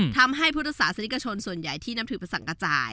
ทำให้พุทธศาสนิกชนส่วนใหญ่ที่นับถือพระสังกระจาย